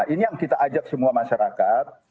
ini yang kita ajak semua masyarakat